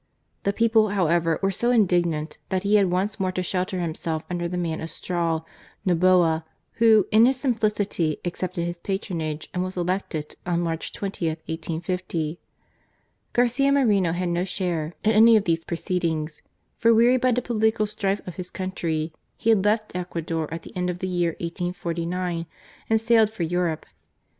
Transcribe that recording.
The people, however, were so indignant, that he had once more to shelter himself under the man of straw, Noboa, who, in his simplicity, accepted his patronage and was elected on March 20, 1850. Garcia Moreno had no share in any of these proceedings, for wearied by the political strife of his country he had left Ecuador at the end of the year 1849, and sailed for Europe.